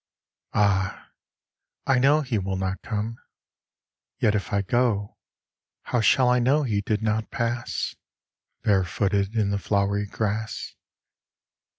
Ah, I know He will not come, yet if I go How shall I know he did not pass Barefooted in the flowery grass?